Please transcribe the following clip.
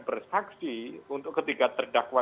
bersaksi untuk ketika terdakwa